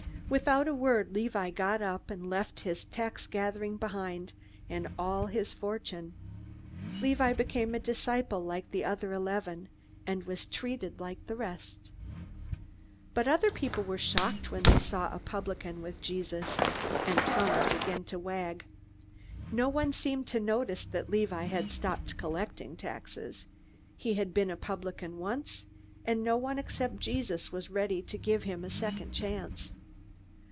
Without a word Levi got up and left his taxgathering behind, and all his fortune. Levi became a disciple like the other eleven, and was treated like the rest. But other people were shocked when they saw a publican with Jesus, and tongues began to wag. No one seemed to notice that Levi had stopped collecting taxes. He had been a publican once, and no one except Jesus was ready to give him a second chance.